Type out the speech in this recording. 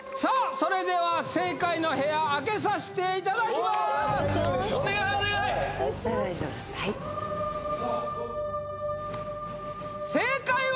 それでは正解の部屋開けさしていただきまーす正解は